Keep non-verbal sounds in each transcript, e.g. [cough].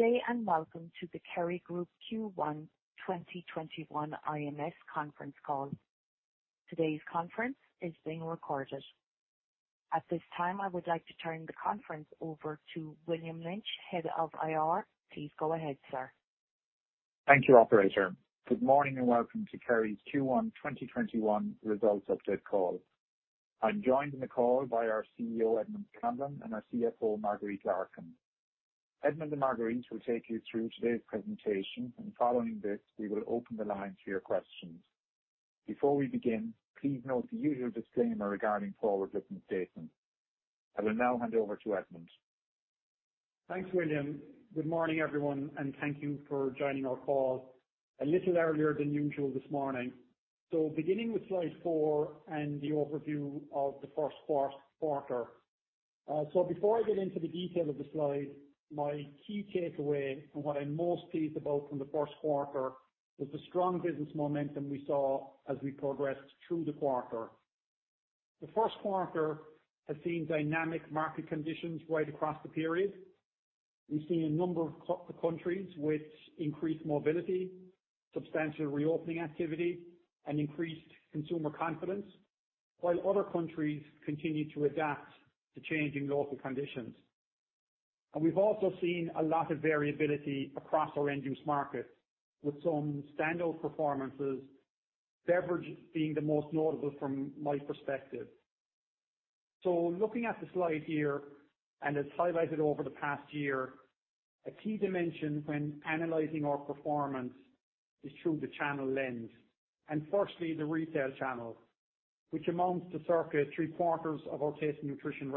Good day and welcome to the Kerry Group Q1 2021 IMS conference call. Today's conference is being recorded. At this time, I would like to turn the conference over to William Lynch, Head of IR. Please go ahead, sir. Thank you, operator. Good morning and welcome to Kerry's Q1 2021 results update call. I am joined on the call by our Chief Executive Officer, Edmond Scanlon, and our Chief Financial Officer, Marguerite Larkin. Edmond and Marguerite will take you through today's presentation, and following this, we will open the line to your questions. Before we begin, please note the usual disclaimer regarding forward-looking statements. I will now hand over to Edmond. Thanks, William. Good morning, everyone, thank you for joining our call a little earlier than usual this morning. Beginning with slide four and the overview of the first quarter. Before I get into the detail of the slide, my key takeaway and what I'm most pleased about from the first quarter was the strong business momentum we saw as we progressed through the quarter. The first quarter has seen dynamic market conditions right across the period. We've seen a number of countries with increased mobility, substantial reopening activity, and increased consumer confidence, while other countries continue to adapt to changing local conditions. We've also seen a lot of variability across our end-use markets with some standout performances, beverage being the most notable from my perspective. Looking at the slide here, as highlighted over the past year, a key dimension when analyzing our performance is through the channel lens, and firstly, the retail channel, which amounts to circa three-quarters of our Taste & Nutrition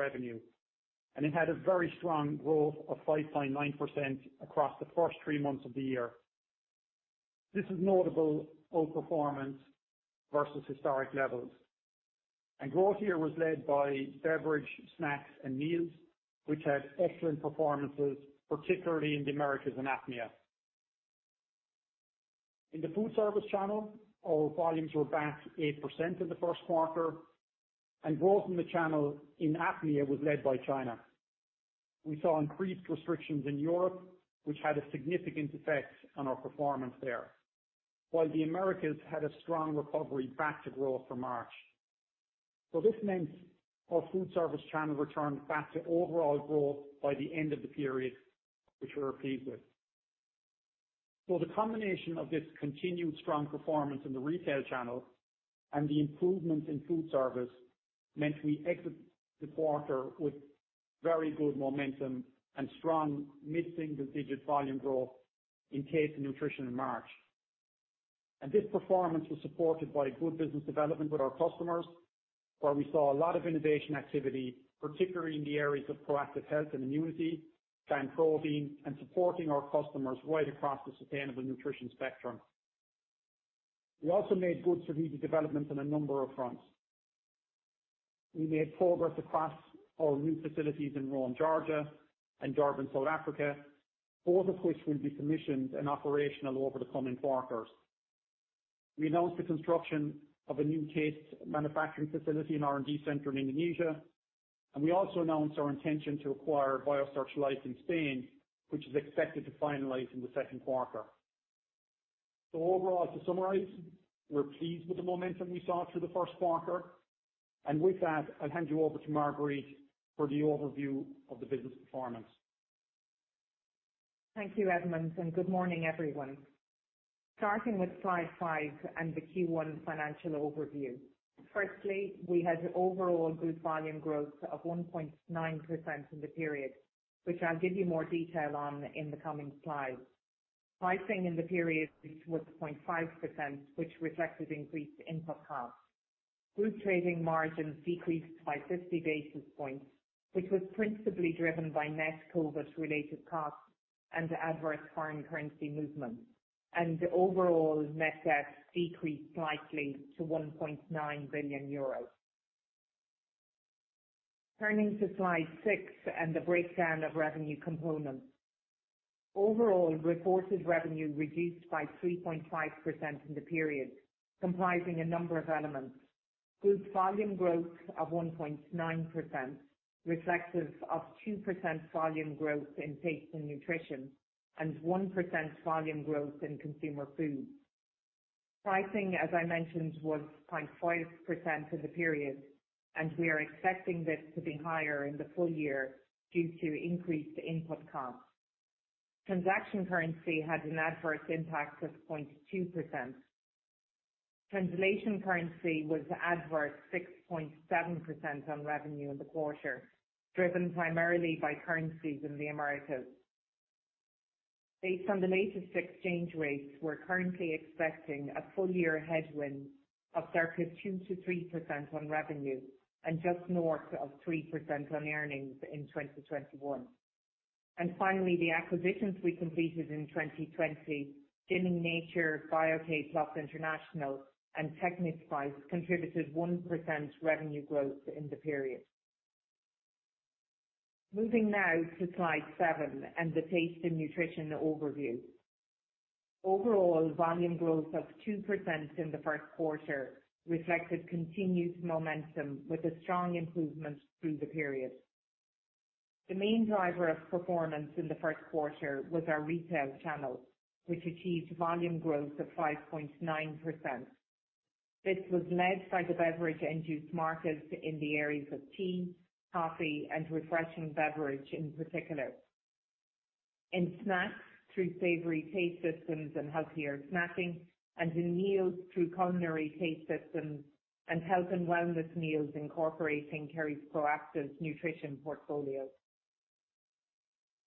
revenue. It had a very strong growth of 5.9% across the first three months of the year. This is notable outperformance versus historic levels. Growth here was led by beverage, snacks, and meals, which had excellent performances, particularly in the Americas and APMEA. In the food service channel, our volumes were back 8% in the first quarter, and growth in the channel in APMEA was led by China. We saw increased restrictions in Europe, which had a significant effect on our performance there, while the Americas had a strong recovery back to growth for March. This meant our food service channel returned back to overall growth by the end of the period, which we are pleased with. The combination of this continued strong performance in the retail channel and the improvement in food service meant we exit the quarter with very good momentum and strong mid-single-digit volume growth in Taste & Nutrition in March. This performance was supported by good business development with our customers, where we saw a lot of innovation activity, particularly in the areas of proactive health and immunity, plant protein, and supporting our customers right across the sustainable nutrition spectrum. We also made good strategic developments on a number of fronts. We made progress across our new facilities in Rome, Georgia and Durban, South Africa, both of which will be commissioned and operational over the coming quarters. We announced the construction of a new taste manufacturing facility and R&D center in Indonesia. We also announced our intention to acquire Biosearch Life in Spain, which is expected to finalize in the second quarter. Overall, to summarize, we're pleased with the momentum we saw through the first quarter. With that, I'll hand you over to Marguerite for the overview of the business performance. Thank you, Edmond, and good morning, everyone. Starting with slide five and the Q1 financial overview. Firstly, we had overall group volume growth of 1.9% in the period, which I'll give you more detail on in the coming slides. Pricing in the period was 0.5%, which reflected increased input costs. Group trading margins decreased by 50 basis points, which was principally driven by net COVID-related costs and adverse foreign currency movements. Overall net debt decreased slightly to 1.9 billion euros. Turning to slide six and the breakdown of revenue components. Overall, reported revenue reduced by 3.5% in the period, comprising a number of elements. Group volume growth of 1.9%, reflective of 2% volume growth in Taste & Nutrition and 1% volume growth in Consumer Foods. Pricing, as I mentioned, was 0.5% for the period, and we are expecting this to be higher in the full year due to increased input costs. Transaction currency had an adverse impact of 0.2%. Translation currency was adverse 6.7% on revenue in the quarter, driven primarily by currencies in the Americas. Based on the latest exchange rates, we're currently expecting a full year headwind of circa 2%-3% on revenue and just north of 3% on earnings in 2021. Finally, the acquisitions we completed in 2020, Jining Nature, Bio-K+ International, and Tecnispice, contributed 1% revenue growth in the period. Moving now to slide seven and the Taste & Nutrition overview. Overall volume growth of 2% in the first quarter reflected continued momentum with a strong improvement through the period. The main driver of performance in the first quarter was our retail channel, which achieved volume growth of 5.9%. This was led by the beverage end-use markets in the areas of tea, coffee, and refreshing beverage, in particular. In snacks through savory taste systems and healthier snacking, and in meals through culinary taste systems and health and wellness meals incorporating Kerry's proactive nutrition portfolio.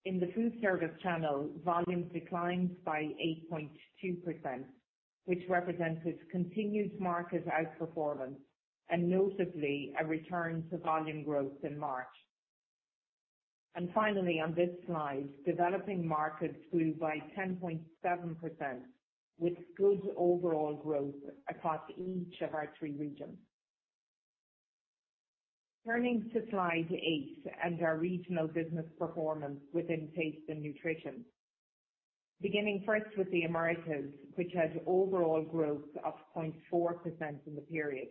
In the food service channel, volumes declined by 8.2%, which represents its continued market outperformance and notably a return to volume growth in March. Finally, on this slide, developing markets grew by 10.7%, with good overall growth across each of our three regions. Turning to slide eight and our regional business performance within Taste & Nutrition. Beginning first with the Americas, which has overall growth of 0.4% in the period.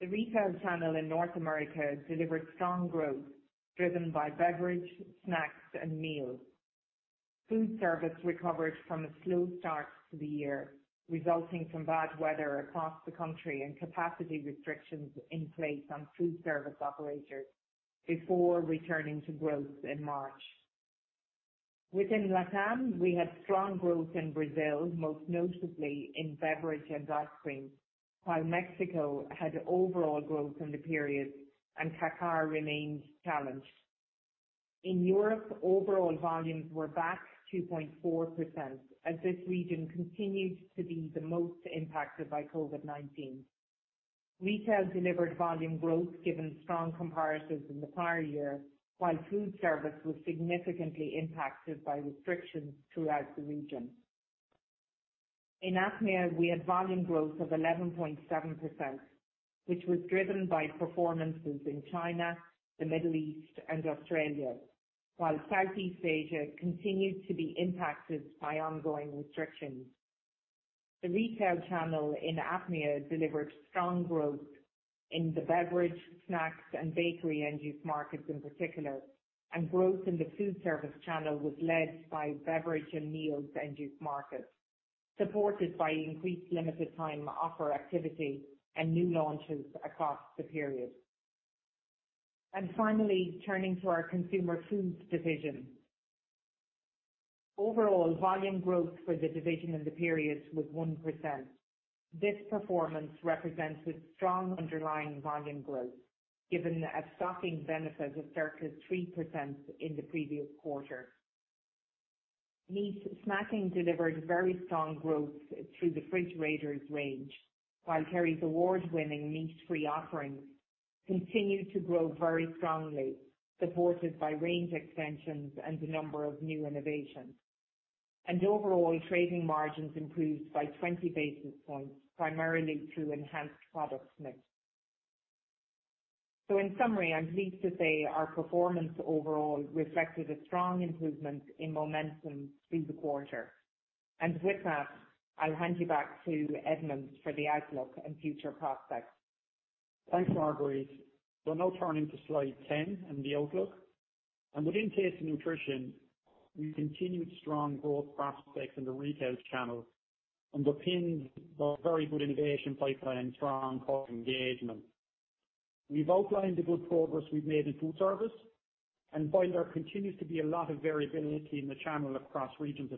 The retail channel in North America delivered strong growth driven by beverage, snacks, and meals. Food service recovered from a slow start to the year, resulting from bad weather across the country and capacity restrictions in place on food service operators before returning to growth in March. Within LATAM, we had strong growth in Brazil, most notably in beverage and ice cream, while Mexico had overall growth in the period, and CACAR remains challenged. In Europe, overall volumes were back 2.4%, as this region continued to be the most impacted by COVID-19. Retail delivered volume growth given strong comparatives in the prior year, while food service was significantly impacted by restrictions throughout the region. In APMEA, we had volume growth of 11.7%, which was driven by performances in China, the Middle East, and Australia, while Southeast Asia continued to be impacted by ongoing restrictions. The retail channel in APMEA delivered strong growth in the beverage, snacks, and bakery end-use markets in particular, and growth in the food service channel was led by Beverage and meals end-use markets, supported by increased limited time offer activity and new launches across the period. Finally, turning to our Consumer Foods division. Overall volume growth for the division in the period was 1%. This performance represents a strong underlying volume growth given a stocking benefit of circa 3% in the previous quarter. Meat snacking delivered very strong growth through the Fridge Raiders range, while Kerry's award-winning meat-free offerings continued to grow very strongly, supported by range extensions and a number of new innovations. Overall trading margins improved by 20 basis points, primarily through enhanced product mix. In summary, I'm pleased to say our performance overall reflected a strong improvement in momentum through the quarter. With that, I'll hand you back to Edmond for the outlook and future prospects. Thanks, Marguerite. We'll now turning to slide 10 and the outlook. Within Taste & Nutrition, we continued strong growth prospects in the retail channel, underpinned by very good innovation pipeline, strong core engagement. We've outlined the good progress we've made in food service, while there continues to be a lot of variability in the channel across regions,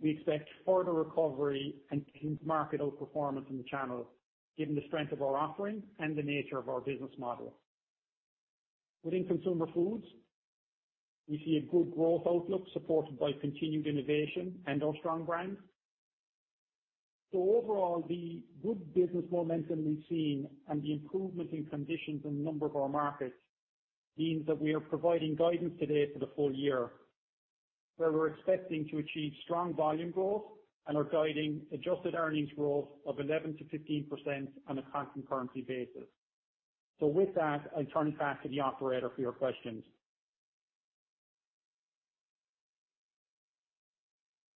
we expect further recovery and market outperformance in the channel given the strength of our offering and the nature of our business model. Within Consumer Foods, we see a good growth outlook supported by continued innovation and our strong brands. Overall, the good business momentum we've seen and the improvement in conditions in a number of our markets means that we are providing guidance today for the full year, where we're expecting to achieve strong volume growth and are guiding adjusted earnings growth of 11% to 15% on a constant currency basis. With that, I turn it back to the operator for your questions.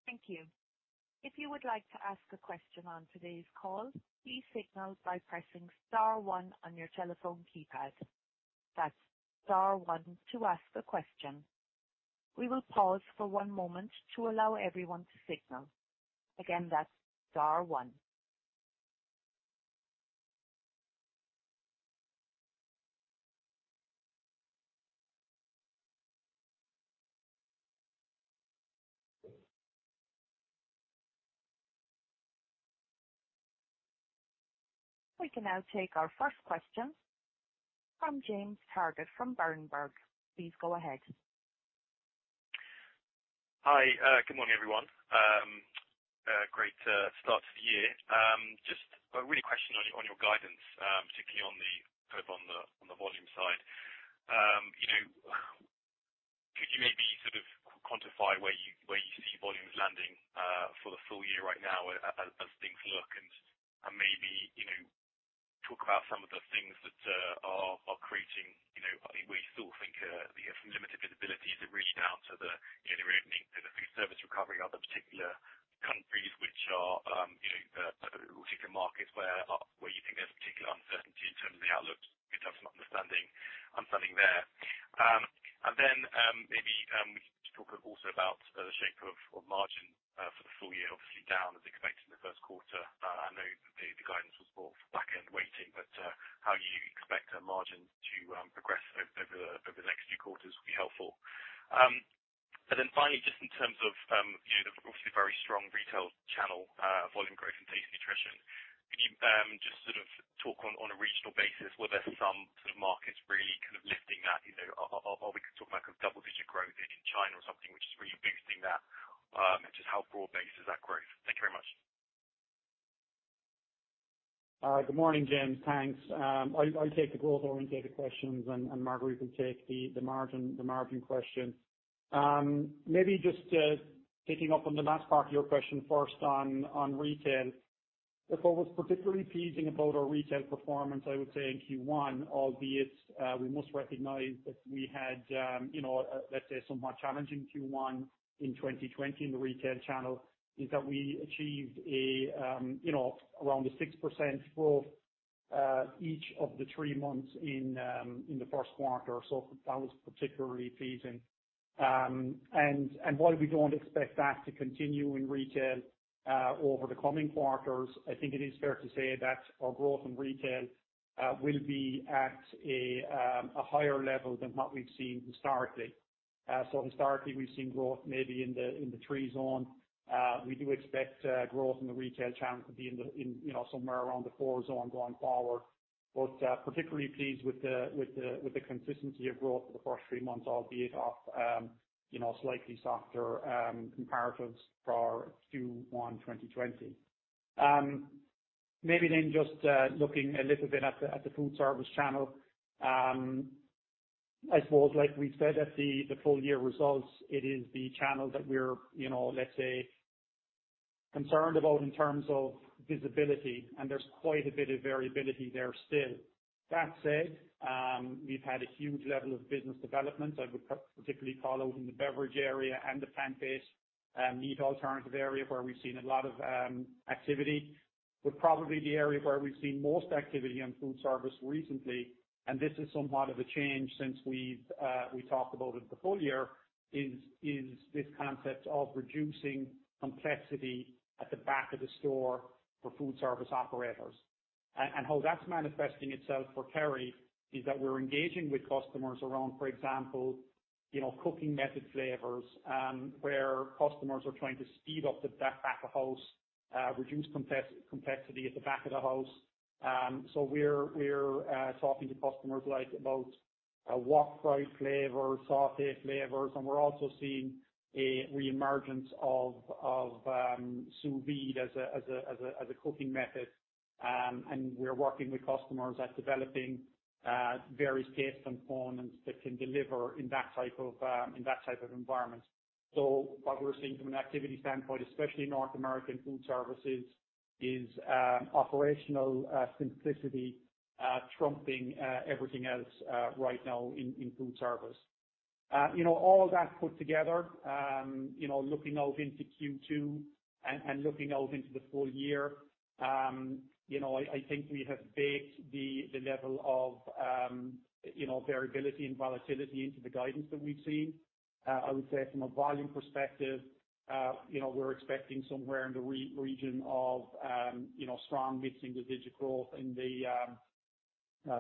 Thank you. If you would like to ask a question on today's call, please signal by pressing star one on your telephone keypad. That's star one to ask a question. We will pause for one moment to allow everyone to signal. Again, that's star one. We can now take our first question from James Targett from Berenberg, please go ahead. Hi. Good morning everyone? Great start to the year. Just a real question on your guidance, particularly on the volume side. Could you maybe sort of quantify where you see volumes landing for the full year right now as things look and maybe talk about some of the things that are creating, I think we still think there's limited visibility as it relates to the reopening for the food service recovery, other particular countries, which are the particular markets where you think there's particular uncertainty in terms of the outlook. Give us an understanding there. Then maybe we could talk also about the shape of margin for the full year, obviously down as expected in the first quarter. I know the guidance was more for back-end weighting, how you expect margin to progress over the next few quarters would be helpful. Finally, just in terms of the obviously very strong retail channel volume growth in Taste & Nutrition, can you just sort of talk on a regional basis, were there some sort of markets really kind of lifting that, or we could talk about kind of double digit growth in China or something, which is really boosting that. Just how broad based is that growth? Thank you very much. Good morning, James. Thanks. I'll take the growth orientated questions and Marguerite can take the margin question. Maybe just picking up on the last part of your question first on retail. What was particularly pleasing about our retail performance, I would say in Q1, albeit we must recognize that we had, let's say, a somewhat challenging Q1 in 2020 in the retail channel, is that we achieved around a 6% growth, each of the three months in the first quarter. That was particularly pleasing. While we don't expect that to continue in retail over the coming quarters, I think it is fair to say that our growth in retail will be at a higher level than what we've seen historically. Historically, we've seen growth maybe in the three zone. We do expect growth in the retail channel to be somewhere around the four zone going forward, but particularly pleased with the consistency of growth for the first three months, albeit off slightly softer comparatives for Q1 2020. Maybe just looking a little bit at the food service channel. I suppose, like we said at the full year results, it is the channel that we're, let's say, concerned about in terms of visibility, and there's quite a bit of variability there still. That said, we've had a huge level of business development. I would particularly call out in the beverage area and the plant-based meat alternative area where we've seen a lot of activity. Probably the area where we've seen most activity on food service recently, and this is somewhat of a change since we talked about it the full year, is this concept of reducing complexity at the back of the store for food service operators. How that's manifesting itself for Kerry is that we're engaging with customers around, for example, cooking method flavors, where customers are trying to speed up the back of house, reduce complexity at the back of the house. We're talking to customers about wok-fried flavor, sautéed flavors, and we're also seeing a reemergence of sous-vide as a cooking method. We're working with customers at developing various taste components that can deliver in that type of environment. What we're seeing from an activity standpoint, especially North American food services, is operational simplicity trumping everything else right now in food service. All of that put together, looking out into Q2 and looking out into the full year, I think we have baked the level of variability and volatility into the guidance that we've seen. I would say from a volume perspective, we're expecting somewhere in the region of strong mid-single digit growth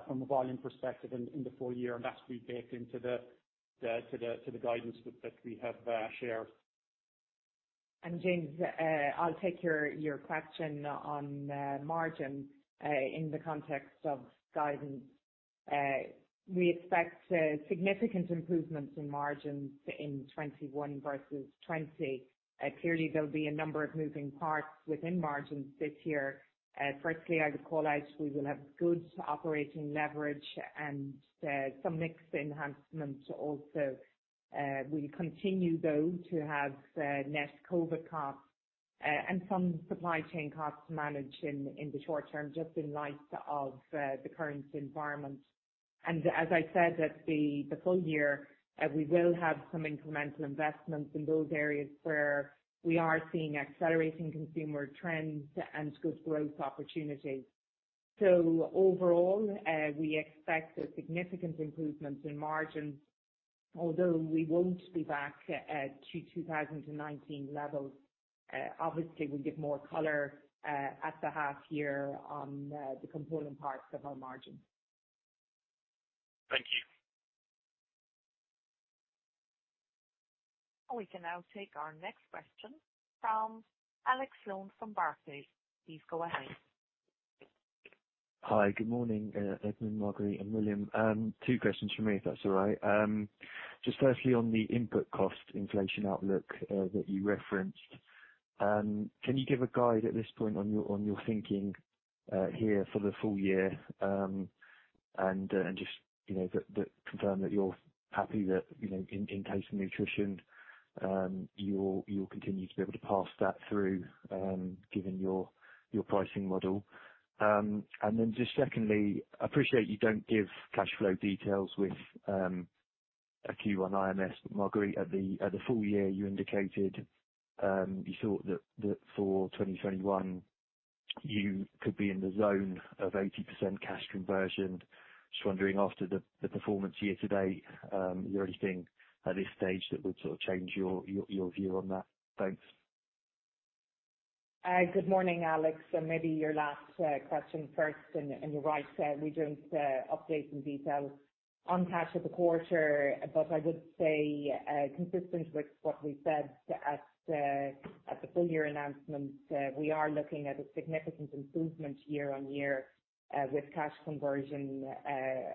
from a volume perspective in the full year, and that's baked into the guidance that we have shared. James, I'll take your question on margin in the context of guidance. We expect significant improvements in margins in 2021 versus 2020. Clearly, there'll be a number of moving parts within margins this year. Firstly, I would call out we will have good operating leverage and some mix enhancements also. We continue, though, to have net COVID costs and some supply chain costs to manage in the short term, just in light of the current environment. As I said at the full year, we will have some incremental investments in those areas where we are seeing accelerating consumer trends and good growth opportunities. Overall, we expect a significant improvement in margins, although we won't be back at 2019 levels. Obviously, we'll give more color at the half year on the component parts of our margin. Thank you. We can now take our next question from Alex Sloane from Barclays, please go ahead. Hi, good morning, Edmond, Marguerite, and William? Two questions from me, if that's all right. Just firstly, on the input cost inflation outlook that you referenced, can you give a guide at this point on your thinking here for the full year? Just confirm that you're happy that in Taste & Nutrition, you'll continue to be able to pass that through given your pricing model. Then just secondly, I appreciate you don't give cash flow details with Q1 IMS. Marguerite, at the full year, you indicated you thought that for 2021 you could be in the zone of 80% cash conversion. Just wondering after the performance year to date, is anything at this stage that would sort of change your view on that? Thanks. Good morning, Alex. Maybe your last question first, and you're right, we don't update some details on cash at the quarter. I would say, consistent with what we said at the full year announcement, we are looking at a significant improvement year-on-year with cash conversion,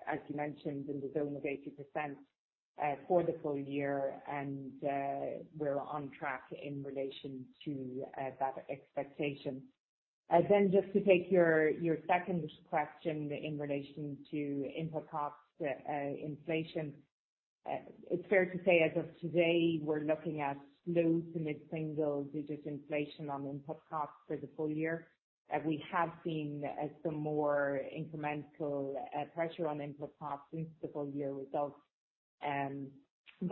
as you mentioned, in the zone of 80% for the full year, and we're on track in relation to that expectation. Just to take your second question in relation to input cost inflation. It's fair to say, as of today, we're looking at low to mid-single digits inflation on input costs for the full year.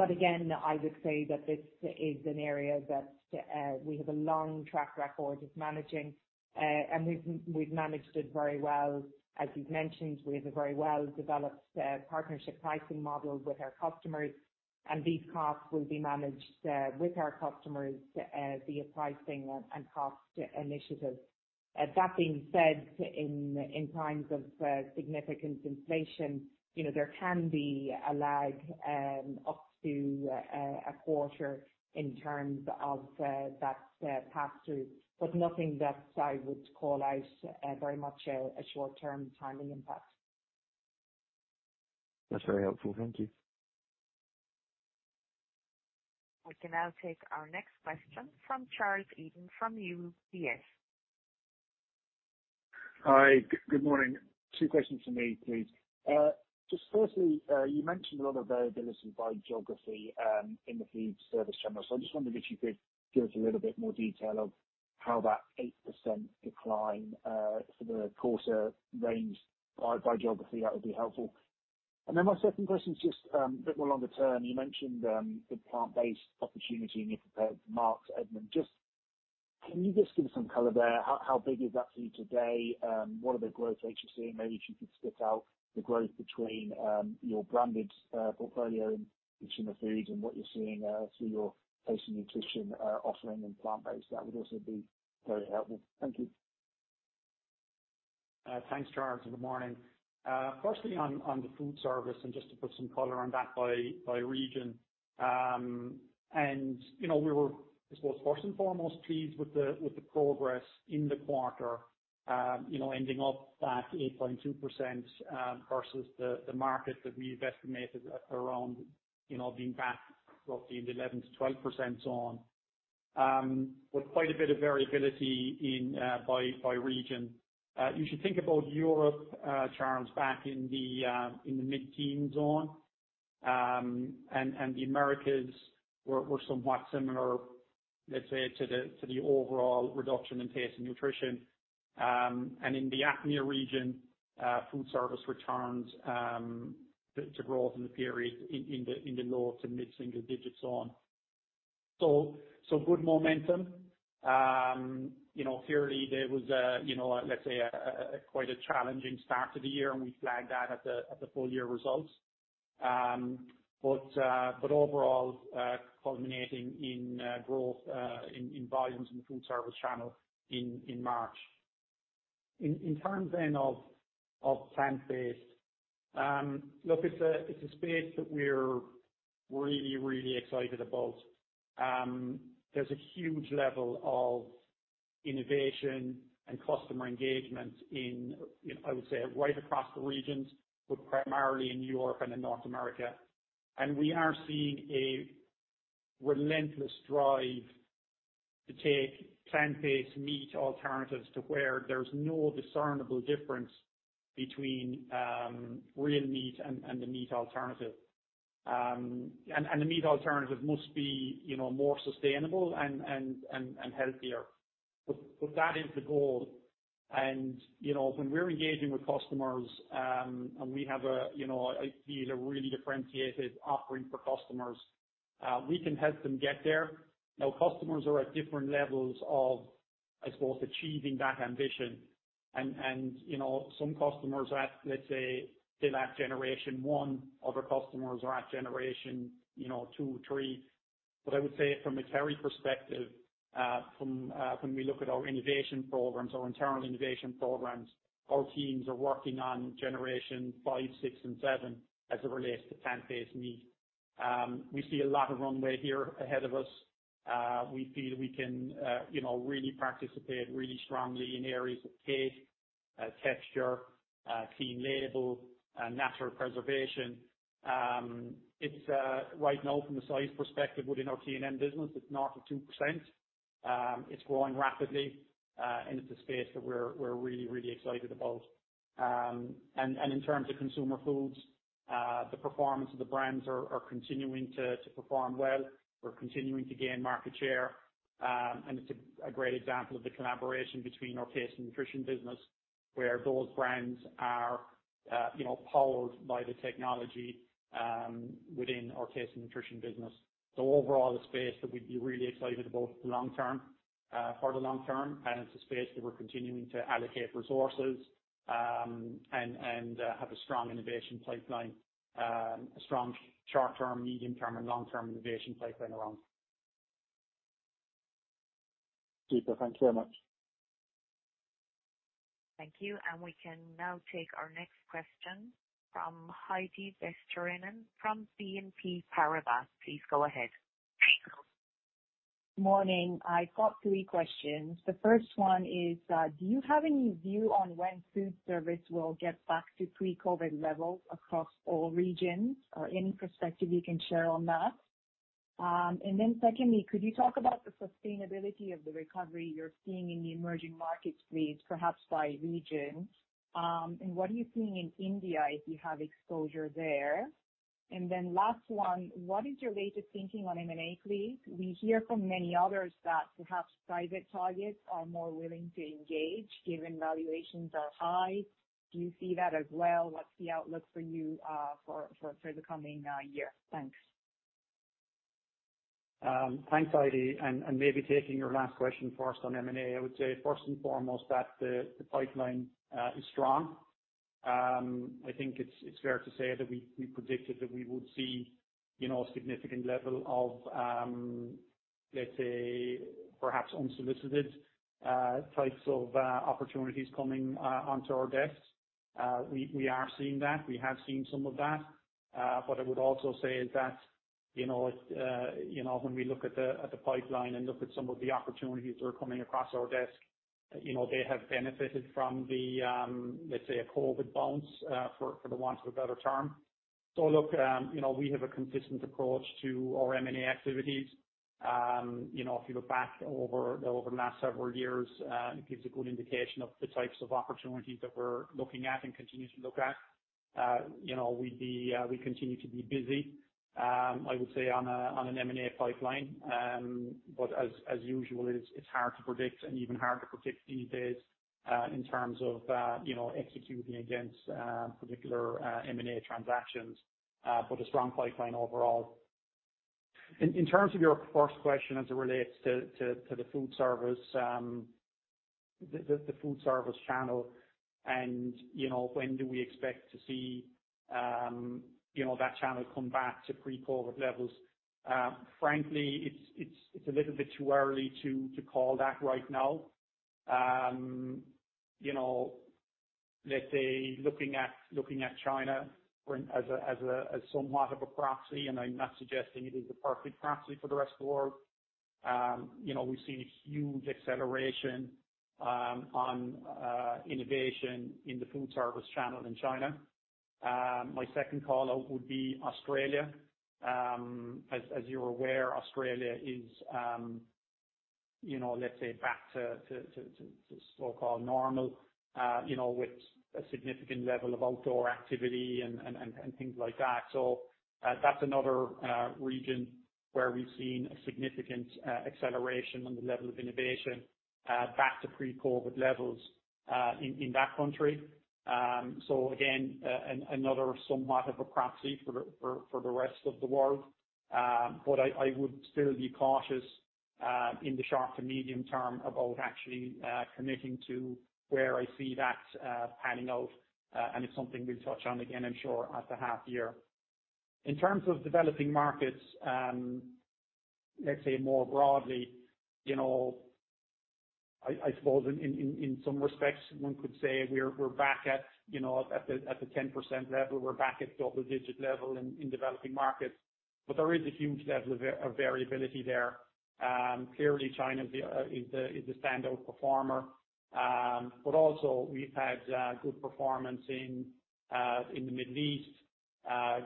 Again, I would say that this is an area that we have a long track record of managing, and we've managed it very well. As you've mentioned, we have a very well-developed partnership pricing model with our customers, and these costs will be managed with our customers via pricing and cost initiatives. That being said, in times of significant inflation, there can be a lag up to a quarter in terms of that pass-through, but nothing that I would call out very much a short-term timing impact. That's very helpful. Thank you. We can now take our next question from Charles Eden from UBS. Hi, good morning? Two questions from me, please. Just firstly, you mentioned a lot of variability by geography in the food service channel. I just wondered if you could give us a little bit more detail of how that 8% decline for the quarter ranged by geography, that would be helpful. My second question is just a bit more longer term. You mentioned the plant-based opportunity and you compared to [inaudible] Edmond, can you just give some color there? How big is that for you today? What are the growth rates you're seeing? Maybe if you could split out the growth between your branded portfolio in Consumer Foods and what you're seeing through your Taste & Nutrition offering and plant-based, that would also be very helpful. Thank you. Thanks, Charles. Good morning. Firstly, on the food service. Just to put some color on that by region. We were, I suppose, first and foremost pleased with the progress in the quarter, ending up that 8.2% versus the market that we've estimated at around being back roughly in the 11% to 12% zone with quite a bit of variability by region. You should think about Europe, Charles, back in the mid-teens zone. The Americas were somewhat similar, let's say, to the overall reduction in Taste & Nutrition. In the APMEA region, food service returns to growth in the period in the low to mid single digits. Good momentum. Clearly there was, let's say, quite a challenging start to the year. We flagged that at the full year results. Overall culminating in growth in volumes in the food service channel in March. In terms then of plant-based, look, it's a space that we're really, really excited about. There's a huge level of innovation and customer engagement in, I would say right across the regions, but primarily in Europe and in North America. We are seeing a relentless drive to take plant-based meat alternatives to where there's no discernible difference between real meat and the meat alternative. The meat alternative must be more sustainable and healthier. That is the goal. When we're engaging with customers, and we have a really differentiated offering for customers, we can help them get there. Now, customers are at different levels of, I suppose, achieving that ambition. Some customers are at, let's say still at generation 1, other customers are at generation 2 or 3. I would say from a Kerry perspective, from when we look at our innovation programs, our internal innovation programs, our teams are working on generation five, six, and seven as it relates to plant-based meat. We see a lot of runway here ahead of us. We feel we can really participate really strongly in areas of taste, texture, clean label, natural preservation. It's right now from a size perspective within our T&N business, it's 0.2%. It's growing rapidly, it's a space that we're really excited about. In terms of Consumer Foods, the performance of the brands are continuing to perform well. We're continuing to gain market share. It's a great example of the collaboration between our Taste & Nutrition business, where those brands are powered by the technology within our Taste & Nutrition business. Overall, the space that we'd be really excited about for the long term, and it's a space that we're continuing to allocate resources and have a strong innovation pipeline, a strong short-term, medium-term, and long-term innovation pipeline around. Super. Thank you very much. Thank you. We can now take our next question from Heidi Vesterinen from BNP Paribas. PLease go ahead. Morning? I've got three questions. The first one is, do you have any view on when food service will get back to pre-COVID levels across all regions? Any perspective you can share on that. Secondly, could you talk about the sustainability of the recovery you're seeing in the emerging markets please, perhaps by region. What are you seeing in India, if you have exposure there? Last one, what is your latest thinking on M&A please? We hear from many others that perhaps private targets are more willing to engage given valuations are high. Do you see that as well? What's the outlook for you for the coming year? Thanks. Thanks, Heidi. Maybe taking your last question first on M&A, I would say first and foremost that the pipeline is strong. I think it's fair to say that we predicted that we would see a significant level of, let's say perhaps unsolicited types of opportunities coming onto our desks. We are seeing that. We have seen some of that. I would also say is that when we look at the pipeline and look at some of the opportunities that are coming across our desk, they have benefited from the, let's say, a COVID bounce, for the want of a better term. Look, we have a consistent approach to our M&A activities. If you look back over the last several years, it gives a good indication of the types of opportunities that we're looking at and continue to look at. We continue to be busy, I would say, on an M&A pipeline. As usual, it's hard to predict and even harder to predict these days in terms of executing against particular M&A transactions, but a strong pipeline overall. In terms of your first question as it relates to the food service channel and when do we expect to see that channel come back to pre-COVID levels. Frankly, it's a little bit too early to call that right now. Let's say looking at China as somewhat of a proxy, and I'm not suggesting it is a perfect proxy for the rest of the world. We've seen a huge acceleration on innovation in the food service channel in China. My second call-out would be Australia. As you're aware, Australia is, let's say, back to so-called normal with a significant level of outdoor activity and things like that. That's another region where we've seen a significant acceleration on the level of innovation back to pre-COVID levels in that country. Again, another somewhat of a proxy for the rest of the world. I would still be cautious in the short to medium term about actually committing to where I see that panning out. It's something we'll touch on again, I'm sure at the half year. In terms of developing markets, let's say more broadly, I suppose in some respects one could say we're back at the 10% level. We're back at double digit level in developing markets. There is a huge level of variability there. Clearly, China is the standout performer. Also we've had good performance in the Middle East,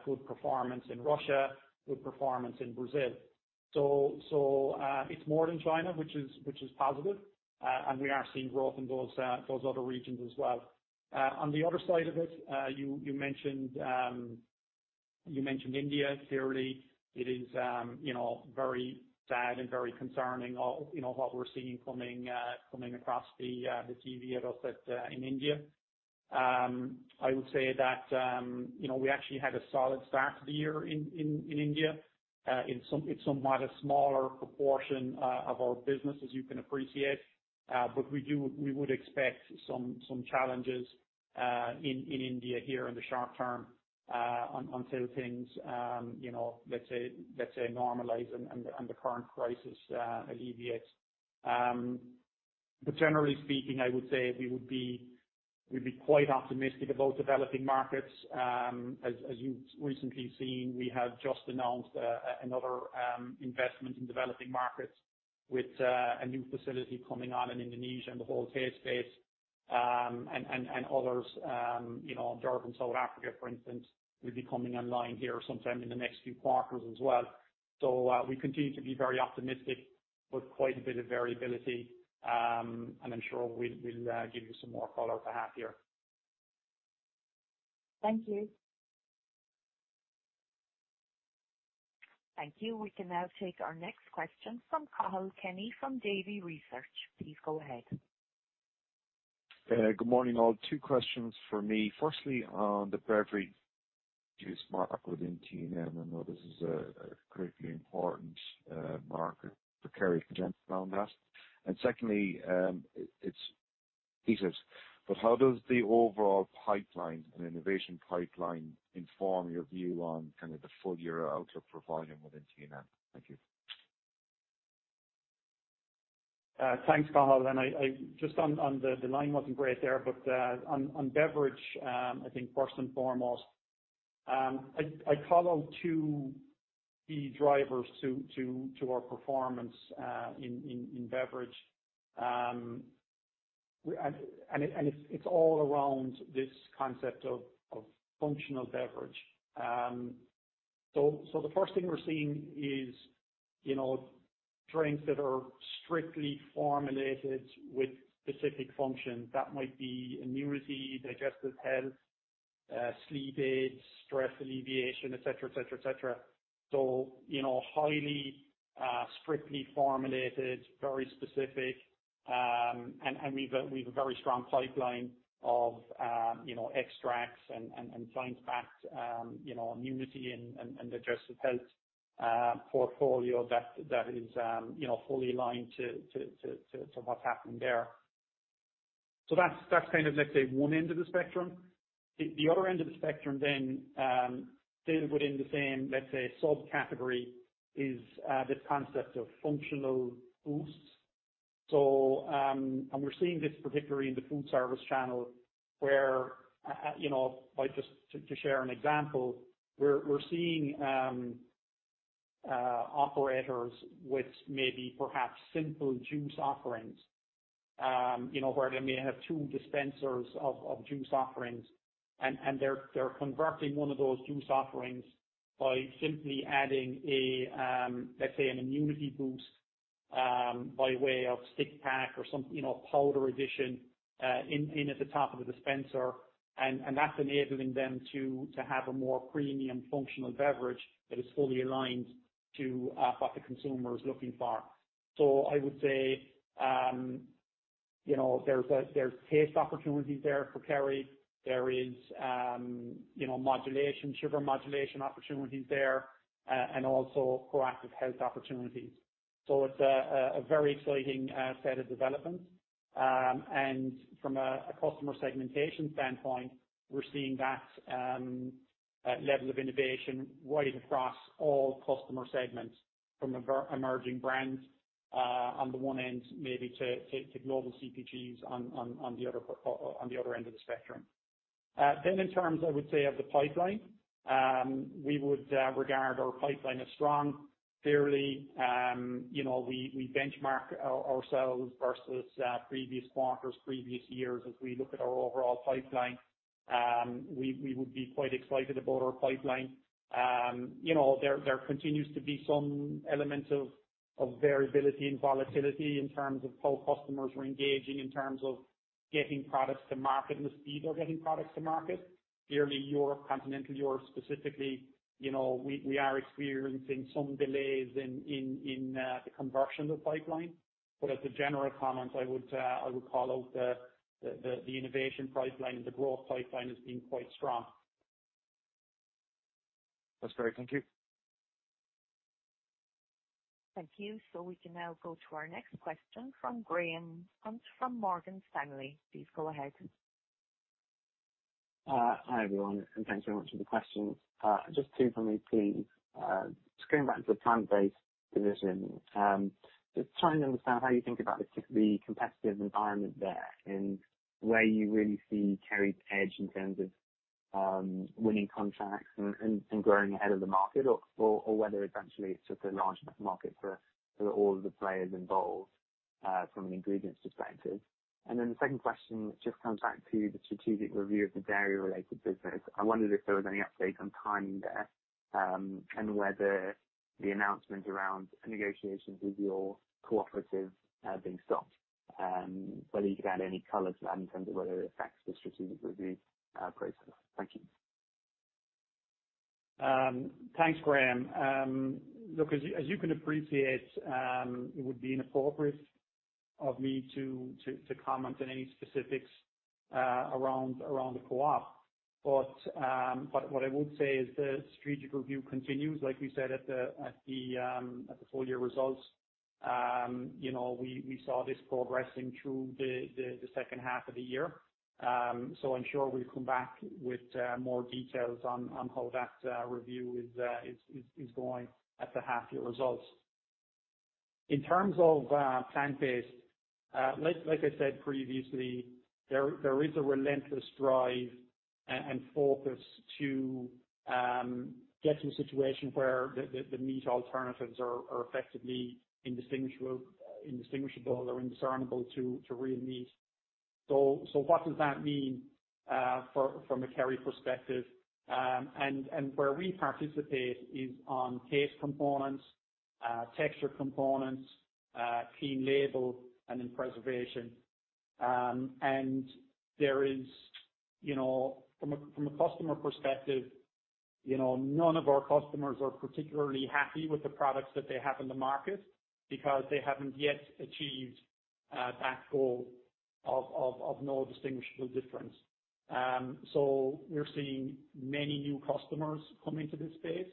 good performance in Russia, good performance in Brazil. It's more than China, which is positive. We are seeing growth in those other regions as well. On the other side of it, you mentioned India. Clearly, it is very sad and very concerning all what we're seeing coming across the TV about that in India. I would say that we actually had a solid start to the year in India. It's somewhat a smaller proportion of our business, as you can appreciate. We would expect some challenges in India here in the short term until things, let's say, normalize and the current crisis alleviates. Generally speaking, I would say we'd be quite optimistic about developing markets. As you've recently seen, we have just announced another investment in developing markets with a new facility coming on in Indonesia in the wholesale space. Others, Durban, South Africa, for instance, will be coming online here sometime in the next few quarters as well. We continue to be very optimistic, but quite a bit of variability, and I'm sure we'll give you some more color at the half year. Thank you. Thank you. We can now take our next question from Cathal Kenny from Davy Research, please go ahead. Good morning, all? Two questions from me. Firstly, on the beverage end-use market within T&N, I know this is a critically important market for Kerry. Can you expand on that? Secondly, it's thesis, but how does the overall pipeline and innovation pipeline inform your view on kind of the full year outlook for volume within T&N? Thank you. Thanks, Cathal. Just on the line wasn't great there. On beverage, I think first and foremost, I call out two key drivers to our performance in beverage. It's all around this concept of functional beverage. The first thing we're seeing is drinks that are strictly formulated with specific functions. That might be immunity, digestive health, sleep aids, stress alleviation, et cetera. Highly, strictly formulated, very specific, and we've a very strong pipeline of extracts and science-backed immunity and digestive health portfolio that is fully aligned to what's happening there. That's kind of let's say one end of the spectrum. The other end of the spectrum then, still within the same, let's say, subcategory, is this concept of functional boosts. We're seeing this particularly in the food service channel where, just to share an example, we're seeing operators with maybe perhaps simple juice offerings where they may have two dispensers of juice offerings, and they're converting one of those juice offerings by simply adding, let's say, an immunity boost by way of stick pack or some powder addition in at the top of the dispenser. That's enabling them to have a more premium functional beverage that is fully aligned to what the consumer is looking for. I would say there's taste opportunities there for Kerry. There is modulation, sugar modulation opportunities there, and also proactive health opportunities. It's a very exciting set of developments. From a customer segmentation standpoint, we're seeing that level of innovation right across all customer segments from emerging brands on the one end, maybe to global CPGs on the other end of the spectrum. In terms, I would say, of the pipeline, we would regard our pipeline as strong. Clearly, we benchmark ourselves versus previous quarters, previous years as we look at our overall pipeline. We would be quite excited about our pipeline. There continues to be some element of variability and volatility in terms of how customers are engaging in terms of getting products to market and the speed of getting products to market. Clearly, Europe, continental Europe specifically, we are experiencing some delays in the conversion of the pipeline. As a general comment, I would call out the innovation pipeline and the growth pipeline as being quite strong. That's great. Thank you. Thank you. We can now go to our next question from Graham Hunt from Morgan Stanley, please go ahead. Hi, everyone, thanks very much for the questions. Just two from me, please. Just coming back to the plant-based division. Just trying to understand how you think about the competitive environment there and where you really see Kerry's edge in terms of winning contracts and growing ahead of the market, or whether eventually it's just a large enough market for all of the players involved from an ingredients perspective. The second question just comes back to the strategic review of the dairy-related business. I wondered if there was any update on timing there, and whether the announcement around negotiations with your cooperative have been stopped, whether you could add any color to that in terms of whether it affects the strategic review process. Thank you. Thanks, Graham. Look, as you can appreciate, it would be inappropriate of me to comment on any specifics around the co-op. What I would say is the strategic review continues, like we said at the full year results. We saw this progressing through the second half of the year. I'm sure we'll come back with more details on how that review is going at the half year results. In terms of plant-based, like I said previously, there is a relentless drive and focus to get to a situation where the meat alternatives are effectively indistinguishable or indiscernible to real meat. What does that mean from a Kerry perspective? Where we participate is on taste components, texture components, clean label, and in preservation. From a customer perspective, none of our customers are particularly happy with the products that they have in the market because they haven't yet achieved that goal of no distinguishable difference. So we're seeing many new customers come into this space.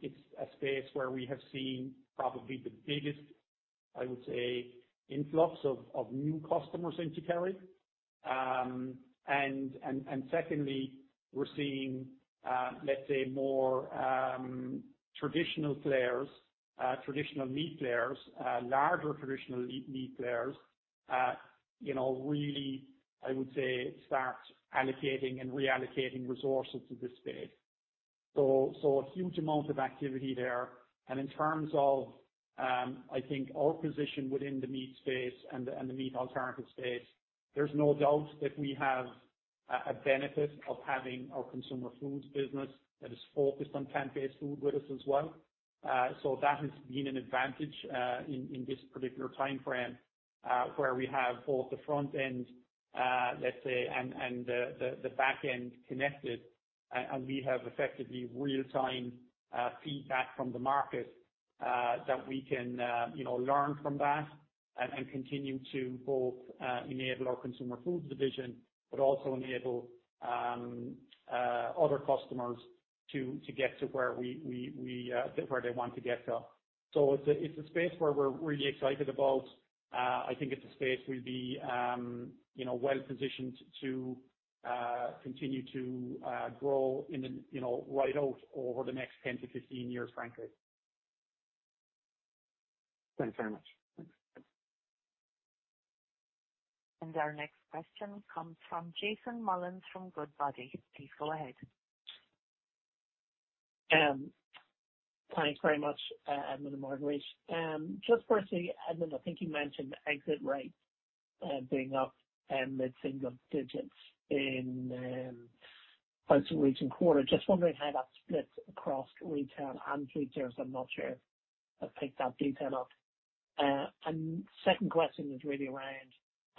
It's a space where we have seen probably the biggest, I would say, influx of new customers into Kerry. And secondly, we're seeing, let's say, more traditional players, traditional meat players, larger traditional meat players really, I would say, start allocating and reallocating resources to this space. So a huge amount of activity there. And in terms of, I think, our position within the meat space and the meat alternative space, there's no doubt that we have a benefit of having our Consumer Foods business that is focused on plant-based food with us as well. That has been an advantage in this particular time frame, where we have both the front end, let's say, and the back end connected. We have effectively real-time feedback from the market that we can learn from that and continue to both enable our Consumer Foods division, but also enable other customers to get to where they want to get to. It's a space where we're really excited about. I think it's a space we'll be well-positioned to continue to grow right out over the next 10 years-15 years, frankly. Thanks very much. Our next question comes from Jason Molins from Goodbody, please go ahead. Thanks very much, Edmond and Marguerite. Just firstly, Edmond, I think you mentioned exit rates being up mid-single digits in the recent quarter. Just wondering how that splits across retail and food service. I'm not sure I picked that detail up. Second question is really around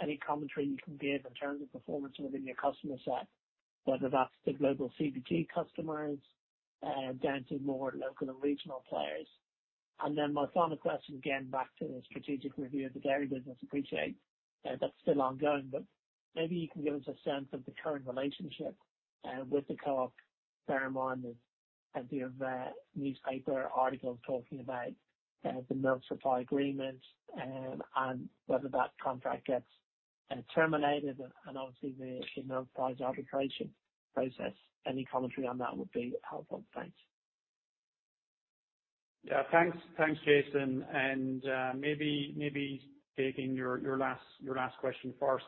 any commentary you can give in terms of performance within your customer set, whether that's the global CPG customers down to more local and regional players. My final question, again, back to the strategic review of the dairy business. Appreciate that's still ongoing, but maybe you can give us a sense of the current relationship with the co-op. Bear in mind there's a few newspaper articles talking about the milk supply agreements and whether that contract gets terminated and obviously the milk price arbitration process. Any commentary on that would be helpful. Thanks. Yeah. Thanks, Jason. Maybe taking your last question first.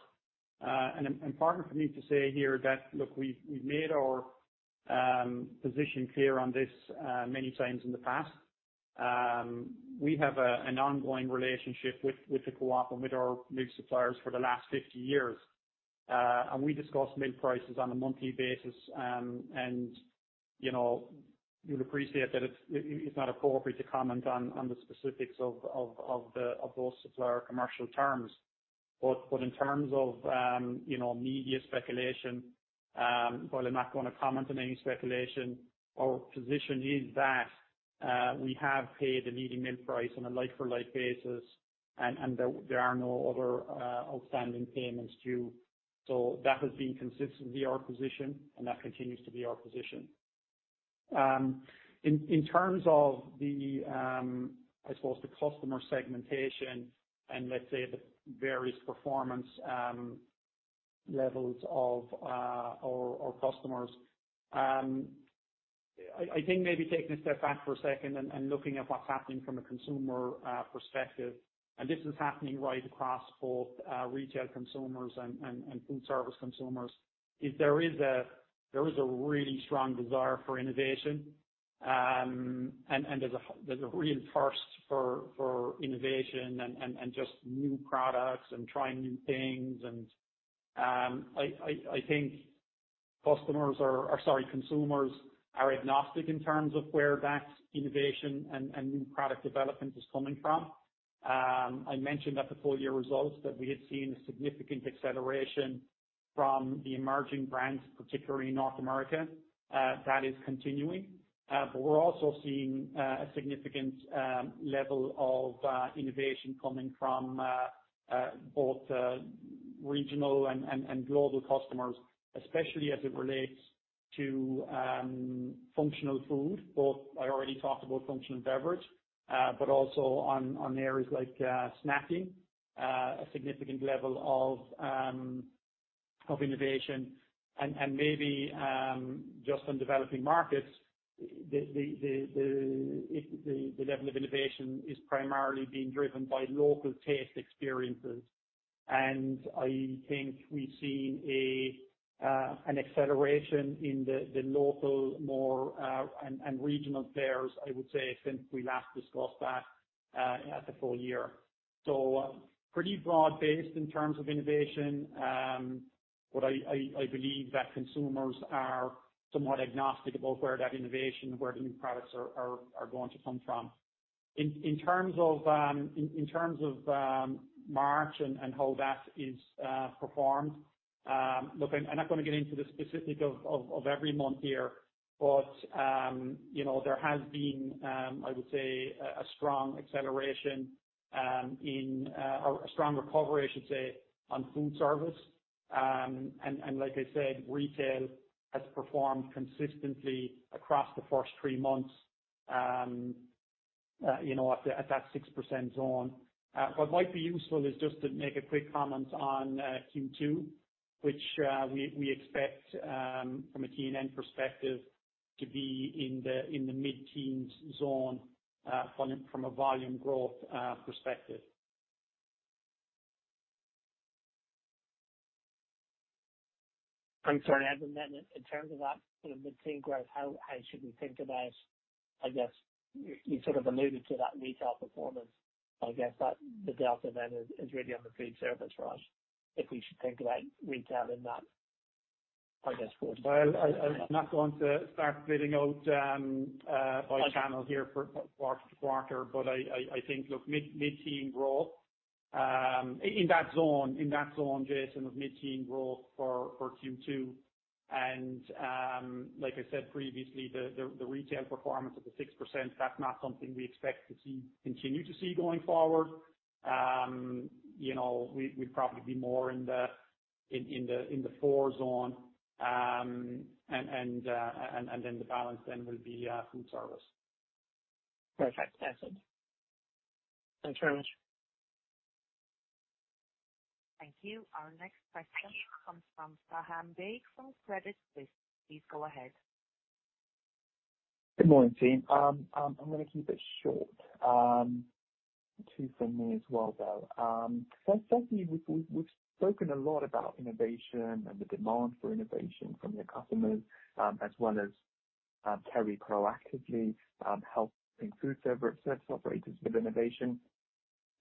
Pardon for me to say here that, look, we've made our position clear on this many times in the past. We have an ongoing relationship with the co-op and with our milk suppliers for the last 50 years. We discuss milk prices on a monthly basis, and you'll appreciate that it's not appropriate to comment on the specifics of those supplier commercial terms. In terms of media speculation, well, I'm not going to comment on any speculation. Our position is that we have paid the leading milk price on a like for like basis, and there are no other outstanding payments due. That has been consistently our position, and that continues to be our position. In terms of the customer segmentation and, let's say, the various performance levels of our customers, I think maybe taking a step back for a second and looking at what's happening from a consumer perspective, and this is happening right across both retail consumers and food service consumers, is there is a really strong desire for innovation, and there's a real thirst for innovation and just new products and trying new things. I think consumers are agnostic in terms of where that innovation and new product development is coming from. I mentioned at the full-year results that we had seen a significant acceleration from the emerging brands, particularly in North America. That is continuing. We're also seeing a significant level of innovation coming from both regional and global customers, especially as it relates to functional food. I already talked about functional beverage, but also on areas like snacking, a significant level of innovation. Just on developing markets, the level of innovation is primarily being driven by local taste experiences. I think we've seen an acceleration in the local and regional fairs, I would say, since we last discussed that at the full year. Pretty broad-based in terms of innovation. I believe that consumers are somewhat agnostic about where that innovation, where the new products are going to come from. In terms of March and how that is performed. Look, I'm not going to get into the specific of every month here. There has been, I would say, a strong acceleration, or a strong recovery I should say, on food service. Like I said, retail has performed consistently across the first three months at that 6% zone. What might be useful is just to make a quick comment on Q2, which we expect from a T&N perspective to be in the mid-teens zone from a volume growth perspective. I'm sorry, Edmond, in terms of that sort of mid-teen growth, what should we think about, I guess, you sort of alluded to that retail performance. I guess that the delta then is really on the food service front, if we should think about retail in that, I guess forward? Well, I'm not going to start splitting out by channel here for quarter-to-quarter, but I think, look, mid-teen growth, in that zone, Jason, of mid-teen growth for Q2. Like I said previously, the retail performance of the 6%, that's not something we expect to continue to see going forward. We'd probably be more in the fours zone, and then the balance then will be food service. Perfect. That's it. Thanks very much. Thank you. Our next question comes from Faham Baig from Credit Suisse, please go ahead. Good morning team? I'm going to keep it short. Two from me as well, though. Firstly, we've spoken a lot about innovation and the demand for innovation from your customers, as well as Kerry proactively helping food service operators with innovation.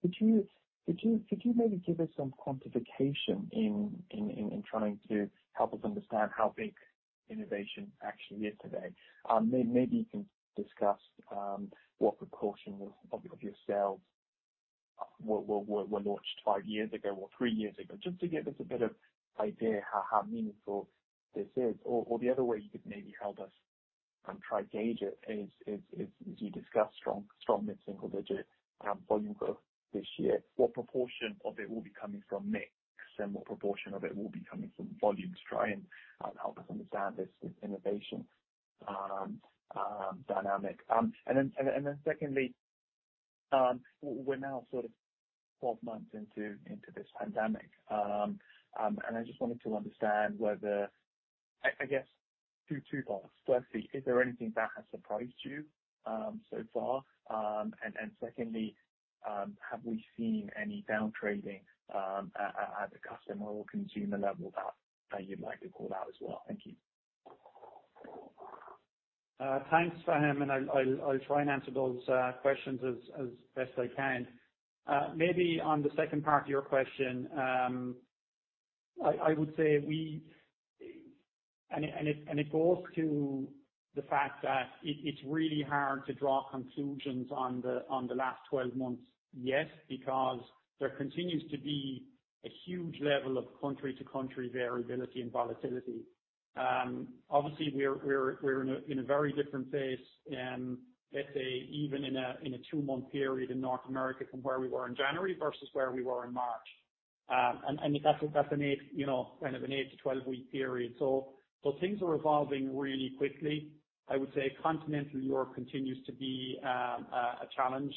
Could you maybe give us some quantification in trying to help us understand how big innovation actually is today? Maybe you can discuss what proportion of your sales were launched five years ago or three years ago, just to give us a bit of idea how meaningful this is. The other way you could maybe help us try gauge it is, as you discussed strong mid-single digit volume growth this year, what proportion of it will be coming from mix and what proportion of it will be coming from volume to try and help us understand this innovation dynamic. Secondly, we're now sort of 12 months into this pandemic. I just wanted to understand whether, I guess two parts. Firstly, is there anything that has surprised you so far? Secondly, have we seen any down trading at the customer or consumer level that you'd like to call out as well? Thank you. Thanks, Faham. I'll try and answer those questions as best I can. Maybe on the second part of your question, I would say it goes to the fact that it's really hard to draw conclusions on the last 12 months yet, because there continues to be a huge level of country to country variability and volatility. Obviously, we're in a very different place in, let's say, even in a two-month period in North America from where we were in January versus where we were in March. That's kind of an eight to 12-week period. Things are evolving really quickly. I would say continental Europe continues to be a challenge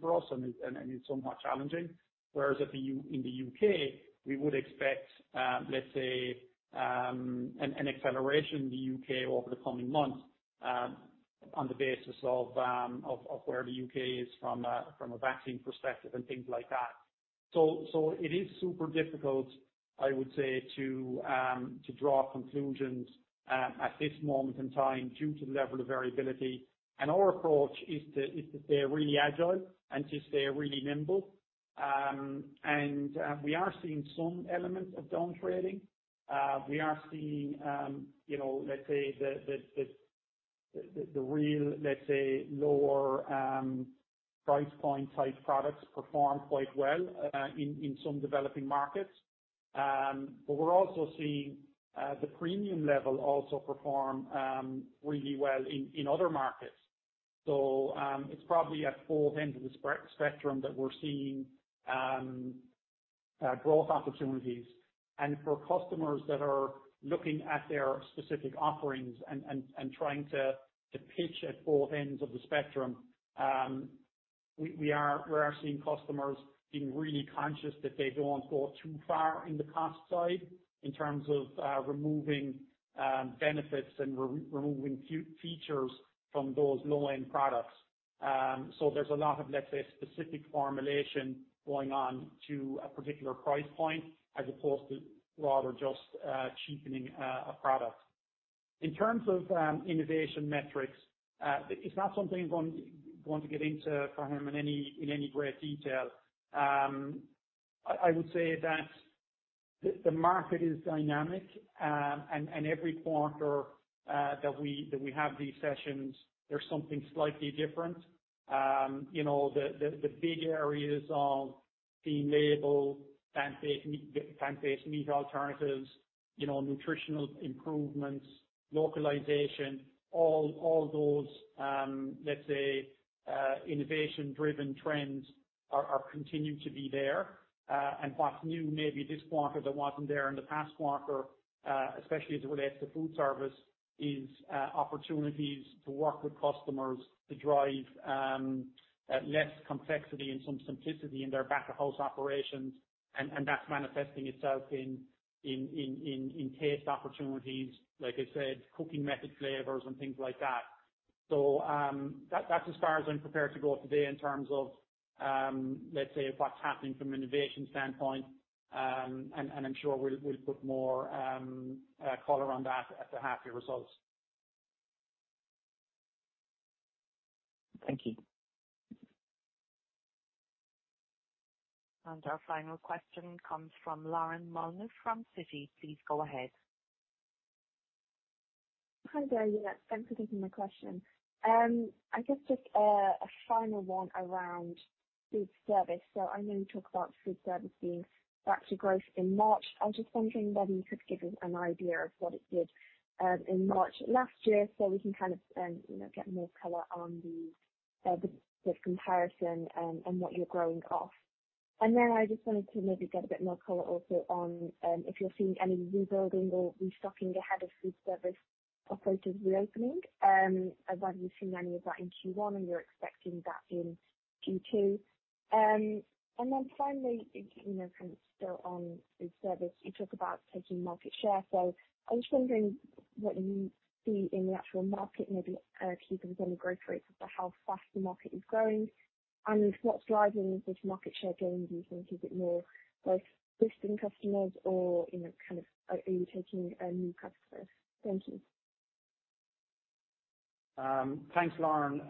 for us and is somewhat challenging, whereas in the U.K., we would expect, let's say, an acceleration in the U.K. over the coming months on the basis of where the U.K. is from a vaccine perspective and things like that. It is super difficult, I would say, to draw conclusions at this moment in time due to the level of variability. Our approach is to stay really agile and to stay really nimble. We are seeing some elements of down trading. We are seeing, let's say the real lower price point type products perform quite well in some developing markets. We're also seeing the premium level also perform really well in other markets. It's probably at both ends of the spectrum that we're seeing growth opportunities. For customers that are looking at their specific offerings and trying to pitch at both ends of the spectrum. We are seeing customers being really conscious that they don't go too far in the cost side in terms of removing benefits and removing features from those low-end products. There's a lot of, let's say, specific formulation going on to a particular price point as opposed to rather just cheapening a product. In terms of innovation metrics, it's not something I'm going to get into, Faham, in any great detail. I would say that the market is dynamic, and every quarter that we have these sessions, there's something slightly different. The big areas of clean label, plant-based meat alternatives, nutritional improvements, localization, all those, let's say, innovation-driven trends continue to be there. What's new maybe this quarter that wasn't there in the past quarter, especially as it relates to food service, is opportunities to work with customers to drive less complexity and some simplicity in their back-of-house operations. That's manifesting itself in taste opportunities, like I said, cooking method flavors, and things like that. That's as far as I'm prepared to go today in terms of, let's say, what's happening from an innovation standpoint, and I'm sure we'll put more color on that at the half-year results. Thank you. Our final question comes from Lauren Molyneux from Citi, please go ahead. Hi there? Thanks for taking my question. I guess just a final one around food service. I know you talk about food service being back to growth in March. I was just wondering whether you could give us an idea of what it did in March last year so we can kind of get more color on the comparison and what you're growing off. I just wanted to maybe get a bit more color also on if you're seeing any rebuilding or restocking ahead of food service operators reopening, whether you've seen any of that in Q1 and you're expecting that in Q2. Finally, kind of still on food service, you talk about taking market share. I'm just wondering what you see in the actual market, maybe can you give us any growth rates of how fast the market is growing? If what's driving these market share gains, do you think is it more both existing customers or are you taking new customers? Thank you. Thanks, Lauren.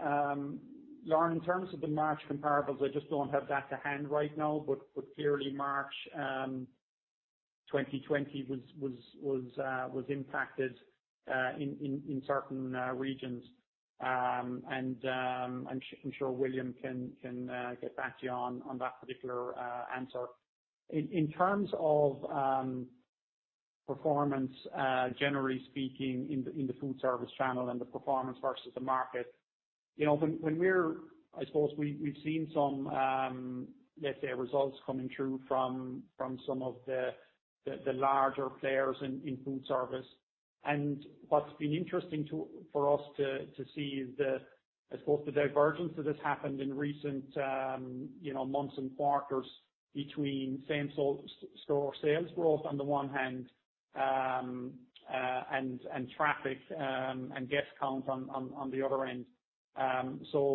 Lauren, in terms of the March comparables, I just don't have that to hand right now. Clearly March 2020 was impacted in certain regions. I'm sure William can get back to you on that particular answer. In terms of performance, generally speaking, in the food service channel and the performance versus the market, I suppose we've seen some, let's say, results coming through from some of the larger players in food service. What's been interesting for us to see is the, I suppose, the divergence that has happened in recent months and quarters between same store sales growth on the one hand and traffic and guest count on the other end.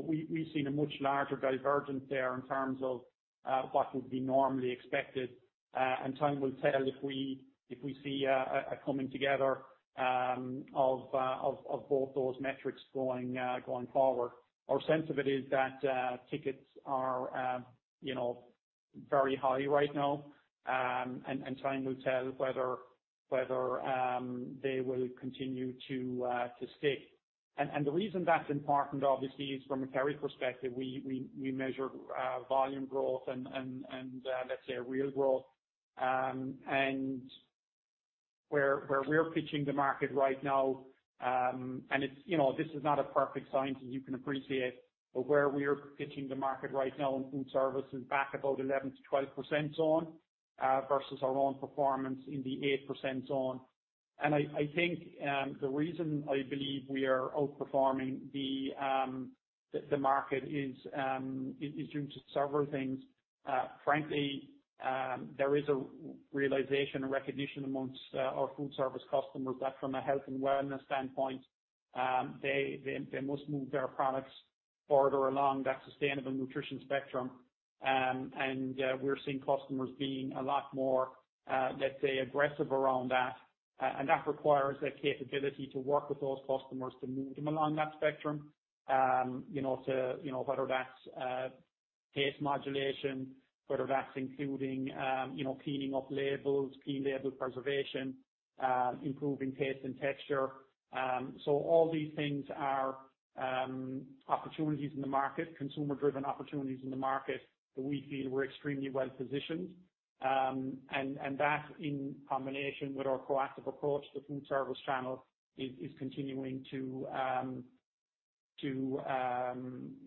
We've seen a much larger divergence there in terms of what would be normally expected, and time will tell if we see a coming together of both those metrics going forward. Our sense of it is that tickets are very high right now, and time will tell whether they will continue to stick. The reason that's important obviously is from a Kerry perspective, we measure volume growth and, let's say, real growth. Where we're pitching the market right now, and this is not a perfect science as you can appreciate, but where we're pitching the market right now in food service is back about 11%-12% zone versus our own performance in the 8% zone. I think the reason I believe we are outperforming the market is due to several things. Frankly, there is a realization and recognition amongst our food service customers that from a health and wellness standpoint, they must move their products further along that sustainable nutrition spectrum. We're seeing customers being a lot more, let's say, aggressive around that. That requires a capability to work with those customers to move them along that spectrum. Whether that's taste modulation, whether that's including cleaning up labels, clean label preservation, improving taste and texture. All these things are opportunities in the market, consumer-driven opportunities in the market that we feel we're extremely well positioned. That in combination with our proactive approach to food service channel is continuing to,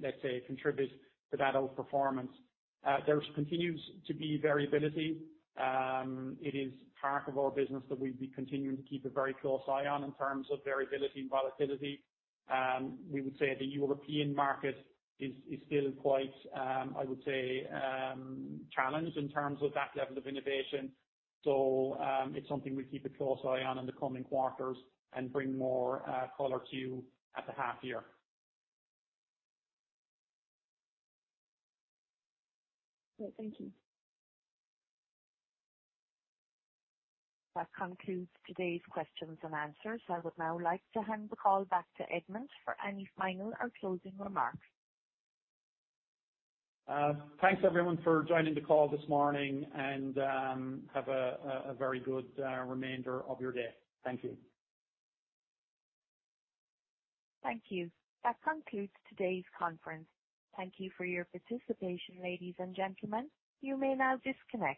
let's say, contribute to that outperformance. There continues to be variability. It is part of our business that we'll be continuing to keep a very close eye on in terms of variability and volatility. We would say the European market is still quite, I would say, challenged in terms of that level of innovation. It's something we keep a close eye on in the coming quarters and bring more color to you at the half year. Great. Thank you. That concludes today's questions and answers. I would now like to hand the call back to Edmond for any final or closing remarks. Thanks, everyone, for joining the call this morning, and have a very good remainder of your day. Thank you. Thank you. That concludes today's conference. Thank you for your participation, ladies and gentlemen, you may now disconnect.